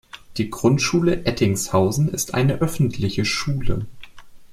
Die Grundschule Ettingshausen ist eine öffentliche Schule.